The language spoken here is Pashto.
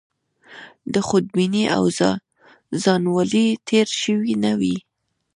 له خودبینۍ او ځانولۍ تېر شوي نه وي.